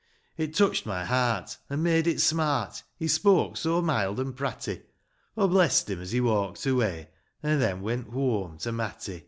It touched my heart, an' made it smart, He spoke so mild and pratty ;— Aw blest him as he walked away, An' then went whoam to Matty.